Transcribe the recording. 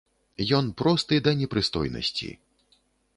Ён просты да непрыстойнасці.